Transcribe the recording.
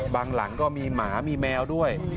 หลังก็มีหมามีแมวด้วย